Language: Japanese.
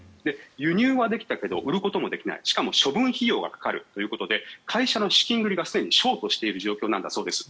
輸入はできたけど売ることもできないしかも処分費用がかかるということで会社の資金繰りがすでにショートしている状況なんだそうです。